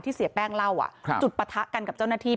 เสียแป้งเล่าจุดปะทะกันกับเจ้าหน้าที่